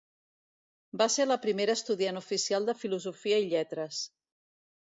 Va ser la primera estudiant oficial de Filosofia i Lletres.